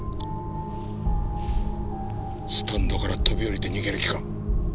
スタンドから飛び降りて逃げる気か？